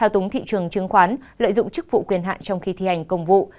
đúng thị trường chứng khoán lợi dụng chức vụ quyền hạn trong khi thi hành công vụ